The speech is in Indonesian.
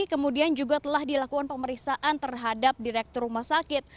kemudian juga telah dilakukan pemeriksaan terhadap direktur rumah sakit